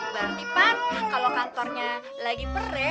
berarti pan kalau kantornya lagi pere